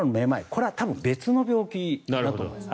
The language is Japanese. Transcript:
これは多分別の病気だと思います。